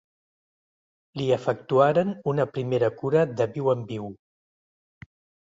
Li efectuaren una primera cura de viu en viu.